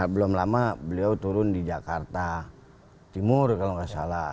belum lama beliau turun di jakarta timur kalau nggak salah